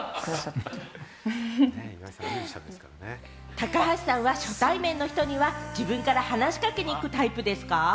高橋さんは初対面の人には自分から話しかけに行くタイプですか？